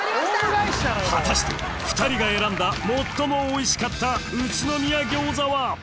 果たして２人が選んだ最もおいしかった宇都宮餃子は？